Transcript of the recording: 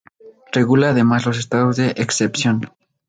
Regula además los estados de excepción.